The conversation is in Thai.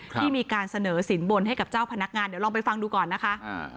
ที่มีการเสนอสินบนให้กับเจ้าพนักงานเดี๋ยวลองไปฟังดูก่อนนะคะ